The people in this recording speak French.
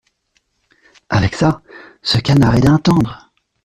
Avec ça, ce canard est d’un tendre…